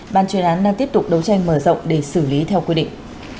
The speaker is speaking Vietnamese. ban chuyên án đang tiếp tục đấu tranh mở rộng để xử lý theo quy định